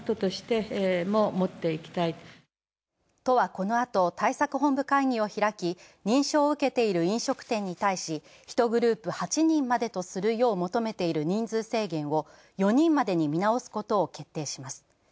都はこの後、対策本部会議を開き、認証を受けている飲食店に対し「１グループ８人」までとするよう求めている人数制限を「４人」までに見直すことを決定します。